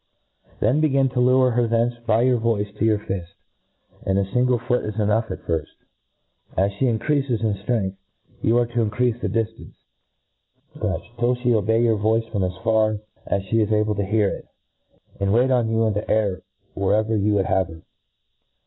Then begin to lure her thence by your voice to your fifl; and a fingle foot is enough at firfl* As fhe increafes in flrength, you are to increafe the diflance, till fhe obey your voice from as far as ici A TlitATtSt 6f as fhe is able to hear it, and wdt on yoa in tK^ air wherever you would have her.